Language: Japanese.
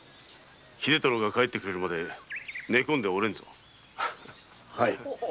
秀太郎が戻ってくれるまで寝込んではおれんぞ。